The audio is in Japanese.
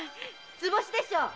図星でしょ！